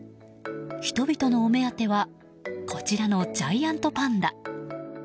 人々のお目当てはこちらのジャイアントパンダ。